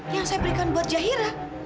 yang saya berikan buat jahira